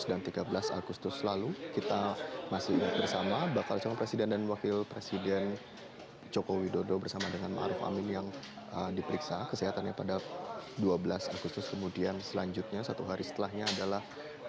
dua belas agustus kemudian selanjutnya satu hari setelahnya adalah